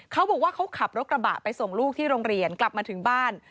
เขาบอกว่าเขาขับรถกระบะไปส่งลูกที่โรงเรียนกลับมาถึงบ้าน